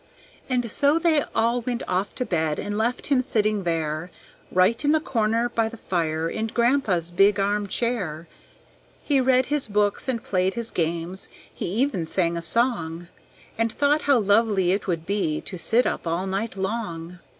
And so they all went off to bed and left him sitting there, Right in the corner by the fire in Grandpa's big armchair. He read his books and played his games, he even sang a song And thought how lovely it would be to sit up all night long.